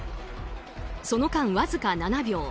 その間わずか７秒。